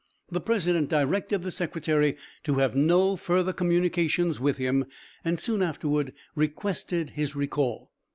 The president directed the secretary to have no further communication with him, and soon afterward requested his recall.